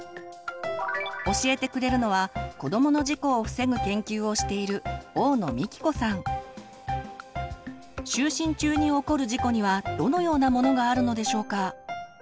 教えてくれるのは子どもの事故を防ぐ研究をしている就寝中に起こる事故にはどのようなものがあるのでしょうか？